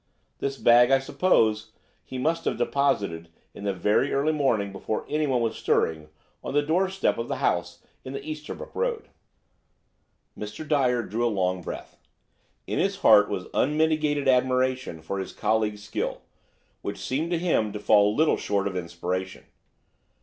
This bag, I suppose, he must have deposited in the very early morning, before anyone was stirring, on the door step of the house in the Easterbrook Road." A YOUNG CLERGYMAN PRESENTED HIMSELF. Mr. Dyer drew a long breath. In his heart was unmitigated admiration for his colleague's skill, which seemed to him to fall little short of inspiration.